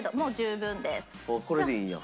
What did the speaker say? あっこれでいいんや。